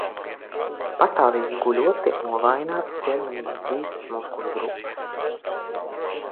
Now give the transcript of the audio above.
Pastāvīgi guļot tiek novājinātas ķermenī visas muskuļu grupas.